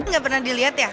gak pernah dilihat ya